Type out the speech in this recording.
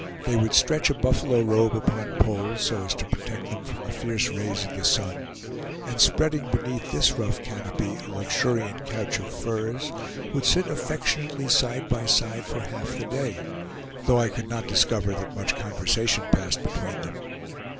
They would stretch a buffalo robe upon poles, so as to protect them from the fierce rays of the sun, and spreading beneath this rough canopy a luxuriant couch of furs, would sit affectionately side by side for half the day, though I could not discover that much conversation passed between them.